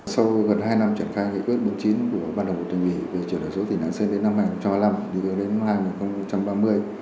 sau gần hai năm triển khai nghị quyết bốn mươi chín của ban đồng bộ tình ủy về chuyển đổi số tỉnh lạng sơn đến năm hai nghìn hai mươi năm định hướng đến năm hai nghìn ba mươi